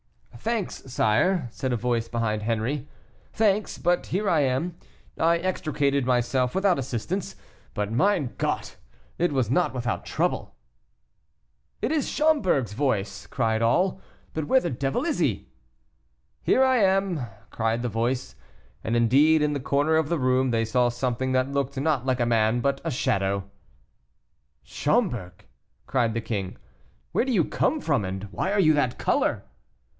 "Thanks, sire," said a voice behind Henri; "thanks, but here I am; I extricated myself without assistance; but, mein Gott! it was not without trouble." "It is Schomberg's voice," cried all, "but where the devil is he?" "Here I am," cried the voice; and indeed, in the corner of the room they saw something that looked not like a man but a shadow. "Schomberg," cried the king, "where do you come from, and why are you that color?"